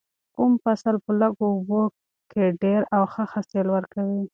کوم فصل په لږو اوبو کې ډیر او ښه حاصل ورکوي؟